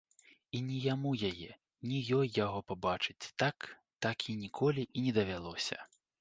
І ні яму яе, ні ёй яго пабачыць так-такі ніколі і не давялося.